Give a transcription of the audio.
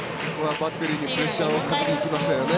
バッテリーにプレッシャーをかけにいきますね。